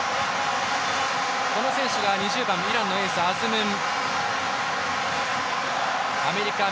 この選手が２０番イランのエースのアズムン。